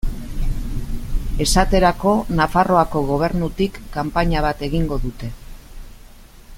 Esaterako Nafarroako Gobernutik kanpaina bat egingo dute.